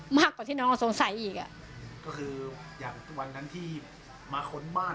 มากกว่าที่น้องสงสัยอีกอ่ะก็คืออย่างทุกวันนั้นที่มาค้นบ้าน